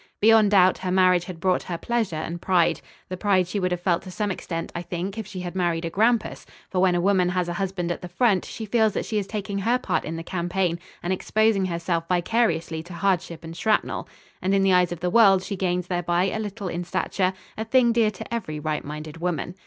Beyond doubt her marriage had brought her pleasure and pride. The pride she would have felt to some extent, I think, if she had married a grampus; for when a woman has a husband at the front she feels that she is taking her part in the campaign and exposing herself vicariously to hardship and shrapnel; and in the eyes of the world she gains thereby a little in stature, a thing dear to every right minded woman.